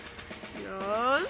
よし！